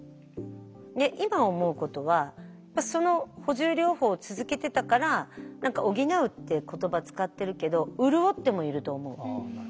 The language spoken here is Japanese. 今思うことはその補充療法を続けてたから「補う」っていう言葉使ってるけど潤ってもいると思う。